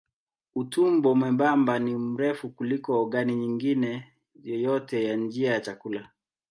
Utumbo mwembamba ni mrefu kuliko ogani nyingine yoyote ya njia ya chakula.